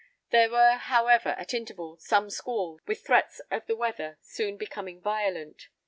There were, however, at intervals, some squalls, with threats of the weather soon becoming violent.